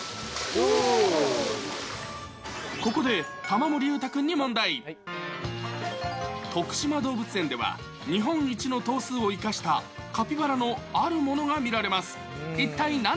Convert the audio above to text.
ここで玉森裕太君に問題。とくしま動物園では、日本一の頭数を生かしたカピバラのあるものが見られます。